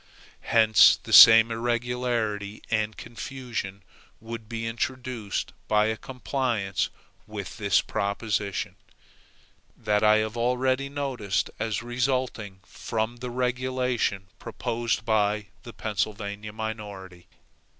Hence the same irregularity and confusion would be introduced by a compliance with this proposition, that I have already noticed as resulting from the regulation proposed by the Pennsylvania minority.